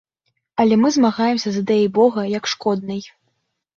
Але мы змагаемся з ідэяй бога як шкоднай.